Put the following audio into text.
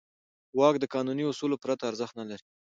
واک د قانوني اصولو پرته ارزښت نه لري.